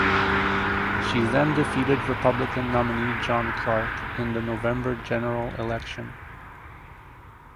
She then defeated Republican nominee John Clark in the November general election.